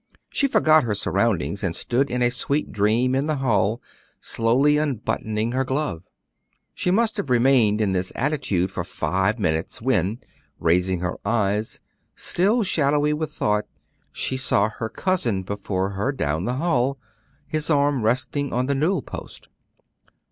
She forgot her surroundings and stood in a sweet dream in the hall, slowly unbuttoning her glove. She must have remained in this attitude for five minutes, when, raising her eyes, still shadowy with thought, she saw her cousin before her down the hall, his arm resting on the newel post.